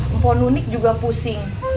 emponunik juga pusing